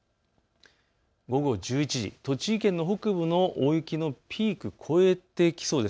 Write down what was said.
午後１１時、栃木県の北部も大雪のピーク、超えてきそうです。